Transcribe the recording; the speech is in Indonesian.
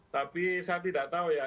tapi saya tidak tahu ya